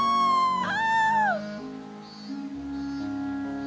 ああ。